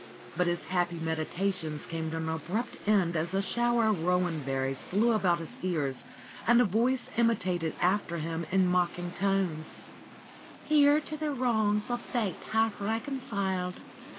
But his happy meditations came to an abrupt end as a shower of rowan berries fiew about his ears and a voice imitated after him in mocking tones : "Here to the wrongs of fate half reconciled.